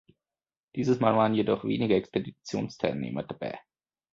Dieses Mal waren jedoch weniger Expeditionsteilnehmer dabei.